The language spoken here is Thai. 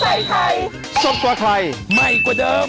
เผ้าใส่ไข่ซบกว่าไข่ไหม้กว่าเดิม